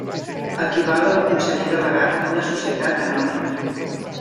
Equival al Conseller Delegat d'una societat anònima.